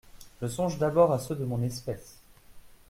Je songe d’abord à ceux de mon espèce.